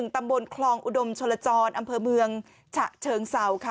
ตำบลคลองอุดมชลจรอำเภอเมืองฉะเชิงเศร้าค่ะ